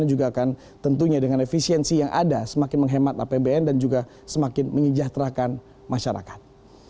juga akan tentunya dengan efisiensi yang ada semakin menghemat apbn dan juga semakin menyejahterakan masyarakat